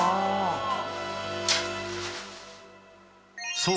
そう